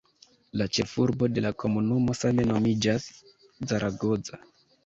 La ĉefurbo de la komunumo same nomiĝas "Zaragoza".